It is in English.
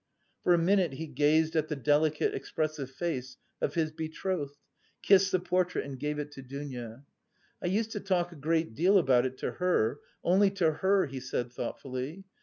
For a minute he gazed at the delicate expressive face of his betrothed, kissed the portrait and gave it to Dounia. "I used to talk a great deal about it to her, only to her," he said thoughtfully.